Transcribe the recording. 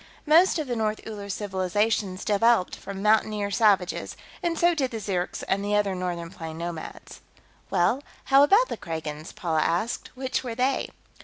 Most of the North Uller civilizations developed from mountaineer savages, and so did the Zirks and the other northern plains nomads." "Well, how about the Kragans?" Paula asked. "Which were they?"